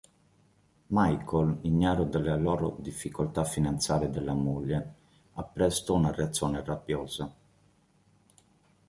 Michael, ignaro delle loro difficoltà finanziarie della moglie, ha presto una reazione rabbiosa.